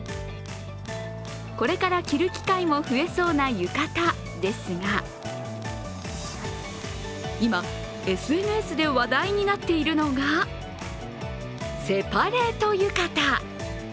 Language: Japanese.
これから着る機会も増えそうな浴衣ですが今、ＳＮＳで話題になっているのがセパレート浴衣。